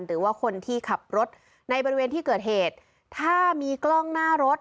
หรือว่าคนที่ขับรถในบริเวณที่เกิดเหตุถ้ามีกล้องหน้ารถ